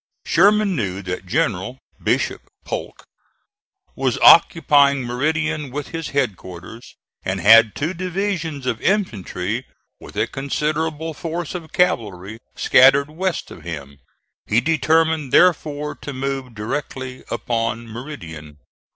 Sherman knew that General (Bishop) Polk was occupying Meridian with his headquarters, and had two divisions of infantry with a considerable force of cavalry scattered west of him. He determined, therefore, to move directly upon Meridian.